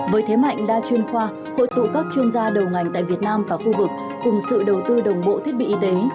với thế mạnh đa chuyên khoa hội tụ các chuyên gia đầu ngành tại việt nam và khu vực cùng sự đầu tư đồng bộ thiết bị y tế